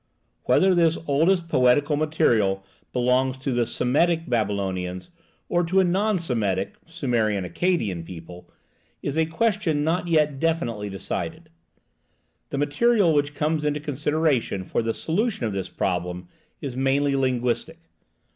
Whether this oldest poetical material belongs to the Semitic Babylonians or to a non Semitic (Sumerian Accadian) people is a question not yet definitely decided. The material which comes into consideration for the solution of this problem is mainly linguistic.